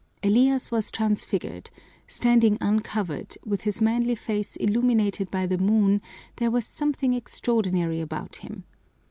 Elias was transfigured; standing uncovered, with his manly face illuminated by the moon, there was something extraordinary about him.